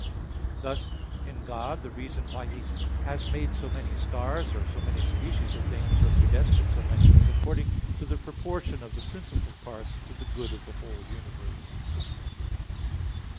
Thus in God the reason why He has made so many stars, or so many species of things, or predestined so many, is according to the proportion of the principal parts to the good of the whole universe.